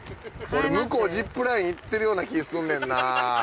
俺向こうジップライン行ってるような気すんねんな。